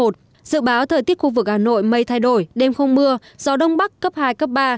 dự báo thời tiết khu vực hà nội mây thay đổi đêm không mưa gió đông bắc cấp hai cấp ba